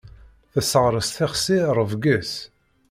Tesseɣres tixsi rrebg-is.